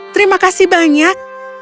terima kasih banyak